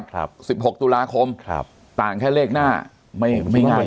ครับสิบหกตุลาคมครับต่างแค่เลขหน้าไม่ไม่ง่าย